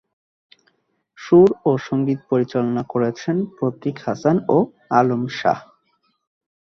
সুর ও সংগীত পরিচালনা করেছেন প্রতীক হাসান ও আলম শাহ।